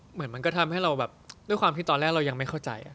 มันก็ทำให้เราแบบด้วยความที่ตอนแรกเรายังไม่เข้าใจ